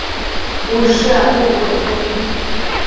Ushë abucquio icnubi